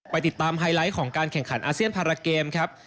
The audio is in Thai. ติดตามไฮไลท์ของการแข่งขันอาเซียนพาราเกมครับ